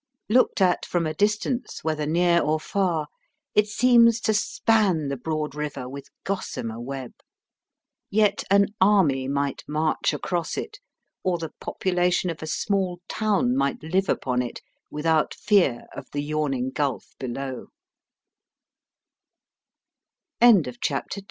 Looked at from a distance, whether near or far, it seems to span the broad river with gossamer web. Yet an army might march across it, or the population of a small town might live upon it without fea